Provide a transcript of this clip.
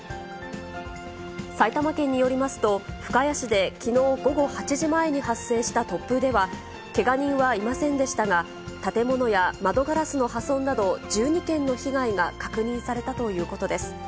埼玉県によりますと、深谷市できのう午後８時前に発生した突風では、けが人はいませんでしたが、建物や窓ガラスの破損など、１２件の被害が確認されたということです。